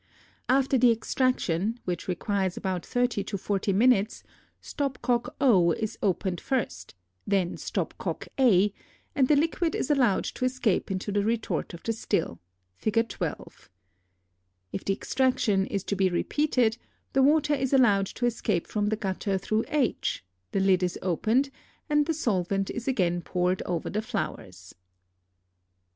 After the extraction, which requires about thirty to forty minutes, stop cock o is opened first, then stop cock a, and the liquid is allowed to escape into the retort of the still (Fig. 12). If the extraction is to be repeated, the water is allowed to escape from the gutter through h, the lid is opened, and the solvent is again poured over the flowers.